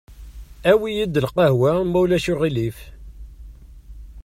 Awi-yi-d lqehwa, ma ulac aɣilif.